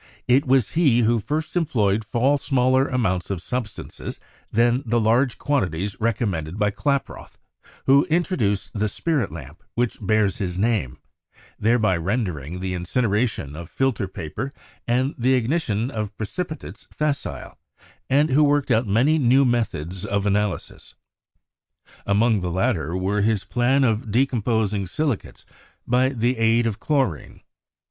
It was he who first employed far smaller amounts of substances than the large quantities recom mended by Klaproth, who introduced the spirit lamp which bears his name, thereby rendering the incineration of fil ter paper and the ignition of precipitates facile, and who worked out many new methods of analysis. Among the latter were his plan of decomposing silicates by the aid of chlorine.